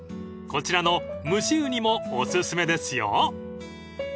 ［こちらの蒸しうにもお薦めですよ］